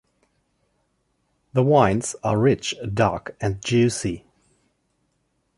The wines are rich, dark and juicy.